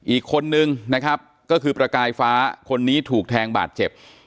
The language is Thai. อีกคนนึงนะครับก็คือประกายฟ้าคนนี้ถูกแทงบาดเจ็บ